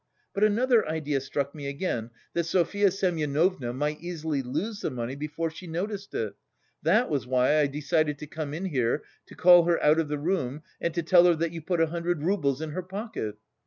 But another idea struck me again that Sofya Semyonovna might easily lose the money before she noticed it, that was why I decided to come in here to call her out of the room and to tell her that you put a hundred roubles in her pocket.